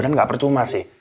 dan gak percuma sih